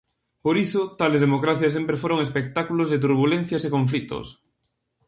Por iso tales democracias sempre foron espectáculos de turbulencias e conflitos.